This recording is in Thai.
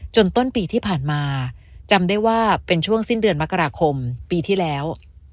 ต้นปีที่ผ่านมาจำได้ว่าเป็นช่วงสิ้นเดือนมกราคมปีที่แล้ว